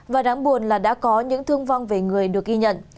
và đáng buồn là đã có những thương vong về người được ghi nhận